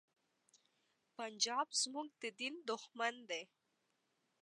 پنجاب زمونږ د دین دښمن دی.